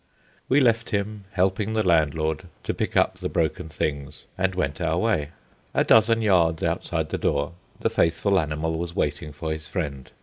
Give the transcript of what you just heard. We left him helping the landlord to pick up the broken things, and went our way. A dozen yards outside the door the faithful animal was waiting for his friend.